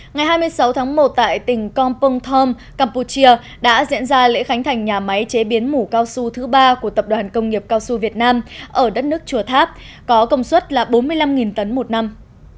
ngày hai mươi sáu tháng một tại tỉnh kompong thom campuchia đã diễn ra lễ khánh thành nhà máy chế biến mủ cao su thứ ba của tập đoàn công nghiệp cao su việt nam ở đất nước chùa tháp có công suất là bốn mươi năm tấn một năm